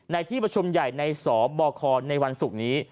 ในที่ประชุมใหญ่ในสบคในวันศุกร์นี้